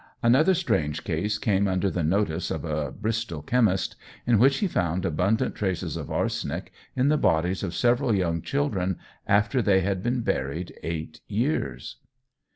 Another strange case came under the notice of a Bristol chemist, in which he found abundant traces of arsenic in the bodies of several young children after they had been buried eight years.